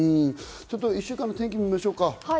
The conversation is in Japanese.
１週間の天気を見ましょうか。